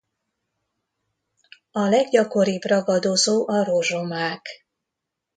A leggyakoribb ragadozó a rozsomák.